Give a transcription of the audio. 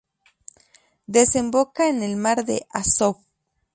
Desemboca en el mar de Azov.